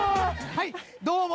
はいどうも。